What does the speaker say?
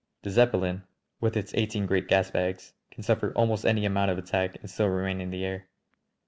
The Zeppelin, with its eighteen great gasbags, can suffer almost any amount of attack and still remain in the air.